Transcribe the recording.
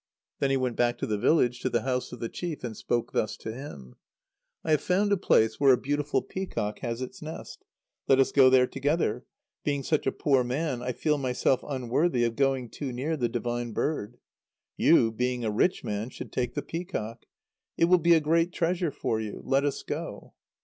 Then he went back to the village, to the house of the chief, and spoke thus to him: "I have found a place where a beautiful peacock has its nest. Let us go there together! Being such a poor man, I feel myself unworthy of going too near the divine bird. You, being a rich man, should take the peacock. It will be a great treasure for you. Let us go!"